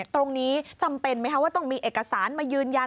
ตรงนี้จำเป็นไหมคะว่าต้องมีเอกสารมายืนยัน